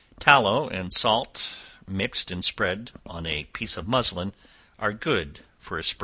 Tallow and salt, mixed and spread on a piece of muslin, are good for a sprain.